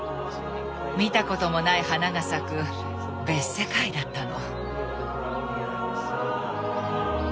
見たこともない花が咲く別世界だったの。